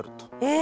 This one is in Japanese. え！